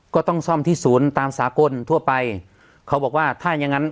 ก็ต้องซ่อมที่ศูนย์ตามสากลทั่วไปเขาบอกว่าถ้าอย่างงั้น